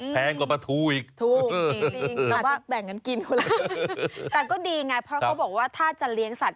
แต่ก็ดีไงเพราะเขาบอกว่าถ้าจะเลี้ยงสัตว์